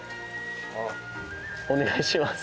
お願いします。